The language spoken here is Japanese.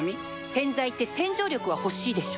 洗剤って洗浄力は欲しいでしょ